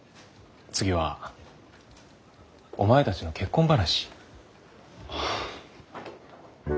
次はお前たちの結婚話。